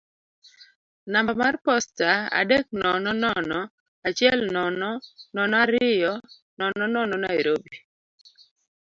namba mar posta adek nono nono achiel nono nono ariyo nono nono Nairobi.